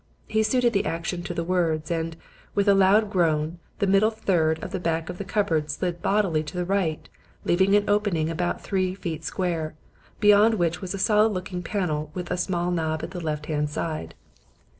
He suited the action to the words, and, with a loud groan, the middle third of the back of the cupboard slid bodily to the right, leaving an opening about three feet square, beyond which was a solid looking panel with a small knob at the left hand side.